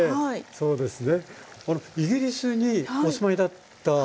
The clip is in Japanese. そうですね。